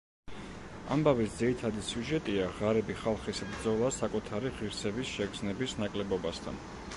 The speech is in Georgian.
ამბავის ძირითადი სიუჟეტია ღარიბი ხალხის ბრძოლა საკუთარი ღირსების შეგრძნების ნაკლებობასთან.